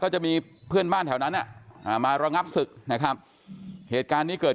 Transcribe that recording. จะมีเพื่อนบ้านแถวนั้นมาระงับศึกนะครับเหตุการณ์นี้เกิด